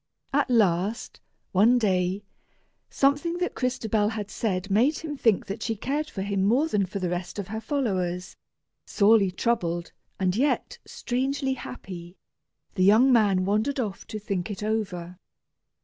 At last, one day, something that Crystabell said made him think that she cared for him more than for the rest of her followers. Sorely troubled, and yet strangely happy, the young man wandered off to think it over.